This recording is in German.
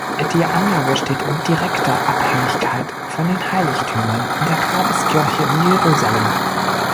Die Anlage steht in direkter Abhängigkeit von den Heiligtümern in der Grabeskirche in Jerusalem.